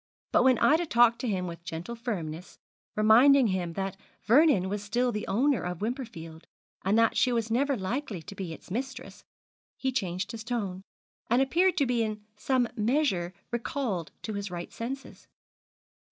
But when Ida talked to him with gentle firmness, reminding him that Vernon was still the owner of Wimperfield, and that she was never likely to be its mistress, he changed his tone, and appeared to be in some measure recalled to his right senses.